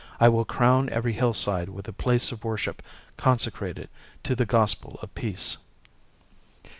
I will crown every hill side with a place of worship consecrated to the gospel of peace.